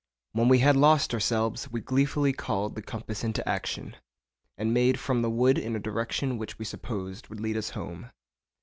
When we had lost ourselves, we gleefully called the compass into action, and made from the wood in a direction which we supposed would lead us home.